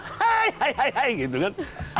hai hai hai hai gitu kan